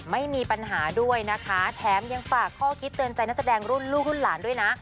ไม่มีปัญหาด้วยนะคะแถมยังฝากข้อคิดเตือนใจนักแสดงรุ่นลูกรุ่นหลานด้วยนะ